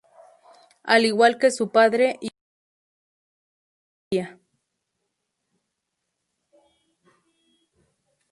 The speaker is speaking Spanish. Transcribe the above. Al igual que su padre, hizo incursiones a Asiria.